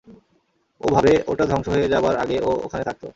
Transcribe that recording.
ও ভাবে ওটা ধ্বংস হয়ে যাবার আগে ও ওখানে থাকতো।